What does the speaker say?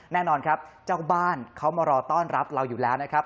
แน่นอนครับเจ้าบ้านเขามารอต้อนรับเราอยู่แล้วนะครับ